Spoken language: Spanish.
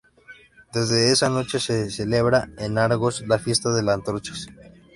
Desde esa noche se celebra en Argos la fiesta de las antorchas.